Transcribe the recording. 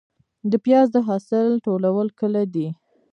د پیاز د حاصل ټولول کله دي؟